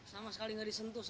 sama sekali gak disentuh